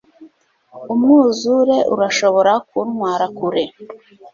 Umwuzure urashobora kuntwara kure